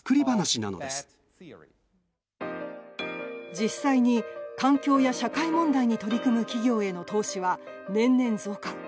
実際に、環境や社会問題に取り組む企業への投資は年々増加。